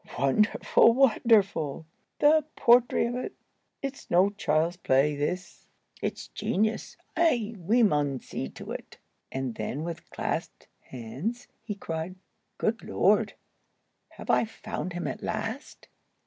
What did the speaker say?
"Wonderful! wonderful! The poetry of 't. It's no child's play, this. It's genius. Ay! we mun see to it!" And then, with clasped hands, he cried, "Good Lord! Have I found him at last?"